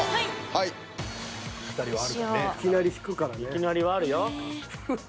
いきなりはあるよ。